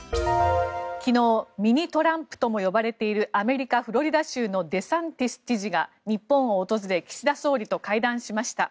昨日、ミニトランプとも呼ばれているアメリカ・フロリダ州のデサンティス知事が日本を訪れ岸田総理と会談しました。